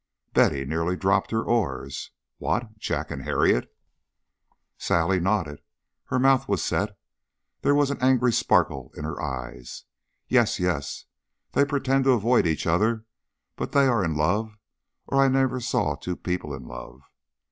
Betty nearly dropped her oars. "What Jack and Harriet?" Sally nodded. Her mouth was set. There was an angry sparkle in her eyes. "Yes, yes. They pretend to avoid each other, but they are in love or I never saw two people in love.